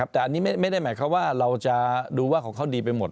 แต่อันนี้ไม่ได้หมายความว่าเราจะดูว่าของเขาดีไปหมด